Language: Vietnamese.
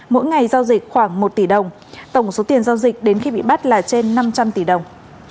mỗi ngày giao dịch khoảng một tỷ đồng tổng số tiền giao dịch đến khi bị bắt là trên năm trăm linh tỷ đồng